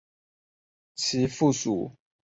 其附属公司包括九龙仓集团以及会德丰地产。